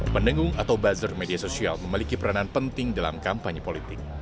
pendengung atau buzzer media sosial memiliki peranan penting dalam kampanye politik